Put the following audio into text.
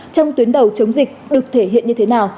trong tuyến đầu chống dịch được thể hiện như thế nào